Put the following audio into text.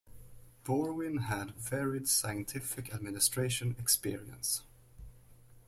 Borwein had varied scientific administration experience.